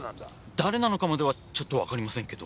誰なのかまではちょっとわかりませんけど。